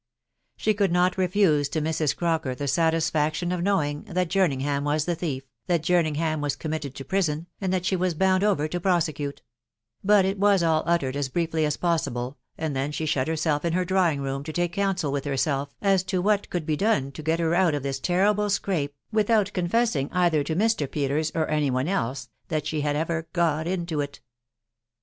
She could not refuse to Mrs. Crocker the satisfaction of knowing that Jerningham was the thief, that Jerningham was committed to prison, and that she was bound over to prosecute ; but it was all uttered as briefly as possible, and then she shut herself in her drawing room to take counsel with herself as to what could be done to get her out of this terrible scrape without confessing either to Mr. Peters or any one else that she had ever got into it.